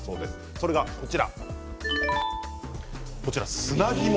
それがこちらです。